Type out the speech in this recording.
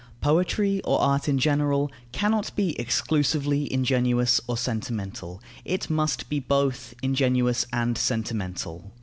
Poetry, or art in general, cannot be exclusively ingenuous or sentimental; it must be both ingenuous and sentimental.